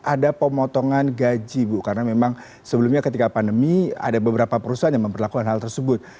ada pemotongan gaji bu karena memang sebelumnya ketika pandemi ada beberapa perusahaan yang memperlakukan hal tersebut